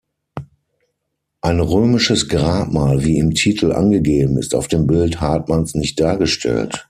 Ein römisches Grabmal, wie im Titel angegeben, ist auf dem Bild Hartmanns nicht dargestellt.